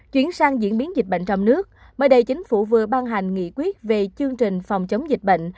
chuyển sang diễn biến dịch bệnh trong nước mới đây chính phủ vừa ban hành nghị quyết về chương trình phòng chống dịch bệnh